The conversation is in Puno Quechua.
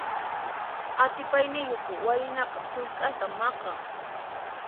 Atipayniyuq waynaqa sullk'anta maqan.